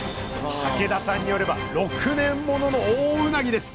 竹田さんによれば６年ものの大うなぎです。